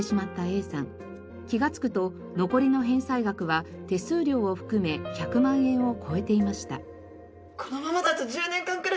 気がつくと残りの返済額は手数料を含め１００万円を超えていました。